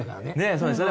そうですよね。